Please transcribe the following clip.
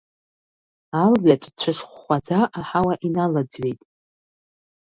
Алҩаҵә цәыш хәхәаӡа аҳауа иналаӡҩеит.